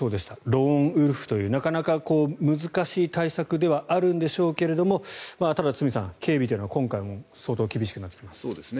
ローンウルフというなかなか難しい対策ではあるんでしょうけれどもただ、堤さん、警備というのは今回は相当厳しくなります。